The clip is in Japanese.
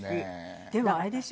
でもあれでしょ？